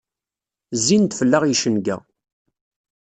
Zzin-d fell-aɣ yicenga.